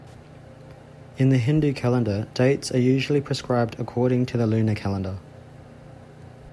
In the Hindu calendar dates are usually prescribed according to the lunar calendar.